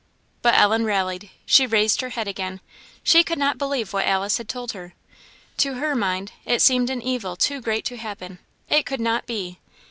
But Ellen rallied; she raised her head again: she could not believe what Alice had told her. To her mind, it seemed an evil too great to happen; it could not be!